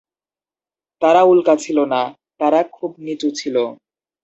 তারা উল্কা ছিল না; তারা খুব নিচু ছিল।